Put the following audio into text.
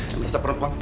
yang merasa perempuan